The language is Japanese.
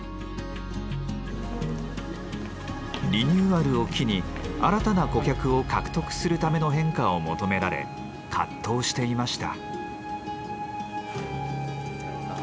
リニューアルを機に新たな顧客を獲得するための変化を求められ葛藤していました。